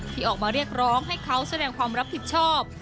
ที่ออกมาเรียกร้องให้เขาแสดงความรับผิดชอบ